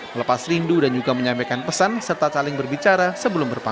melepas rindu dan juga menyampaikan pesan serta saling berbicara sebelum berpakati